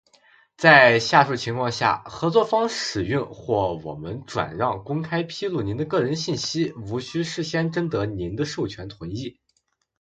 在下述情况下，合作方使用，或我们转让、公开披露您的个人信息无需事先征得您的授权同意：